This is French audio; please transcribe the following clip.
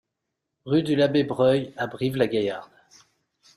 Rue de l'Abbé Breuil à Brive-la-Gaillarde